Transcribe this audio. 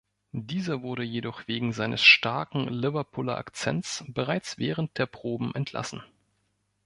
Dieser wurde jedoch wegen seines starken Liverpooler Akzents bereits während der Proben entlassen.